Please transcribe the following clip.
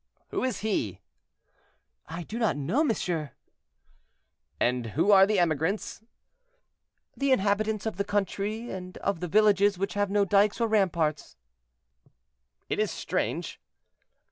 "Who is he?" "I do not know, monsieur." "And who are the emigrants?" "The inhabitants of the country and of the villages which have no dykes or ramparts." "It is strange."